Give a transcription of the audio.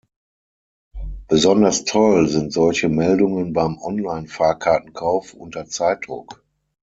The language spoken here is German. Besonders toll sind solche Meldungen beim Online Fahrkahrtenkauf unter Zeitdruck.